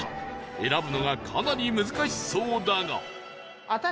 選ぶのがかなり難しそうだが